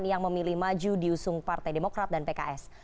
yang memilih maju diusung partai demokrat dan pks